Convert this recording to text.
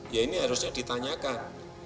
ya ini harusnya ditanyakan